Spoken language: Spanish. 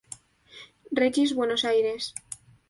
Regis Buenos Aires.